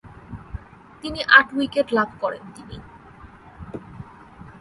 তিনি আট উইকেট লাভ করেন তিনি।